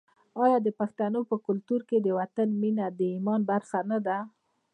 آیا د پښتنو په کلتور کې د وطن مینه د ایمان برخه نه ده؟